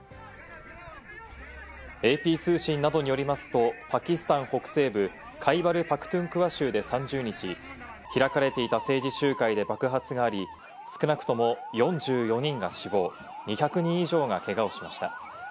ＡＰ通信などによりますと、パキスタン北西部のカイバル・パクトゥンクワ州で３０日、開かれていた政治集会で爆発があり、少なくとも４４人が死亡、２００人以上がけがをしました。